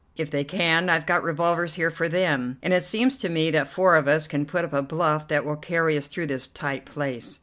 If they can, I've got revolvers here for them, and it seems to me that four of us can put up a bluff that will carry us through this tight place.